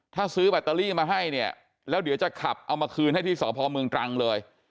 ถ้าซื้อแบตเตอรี่มาให้เนี่ยแล้วเดี๋ยวจะขับเอามาคืนให้ที่สพเมืองตรังเลย